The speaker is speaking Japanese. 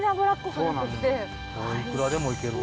いくらでもいける。